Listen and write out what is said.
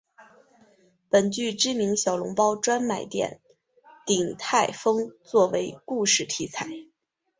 本剧知名小笼包专卖店鼎泰丰做为故事题材。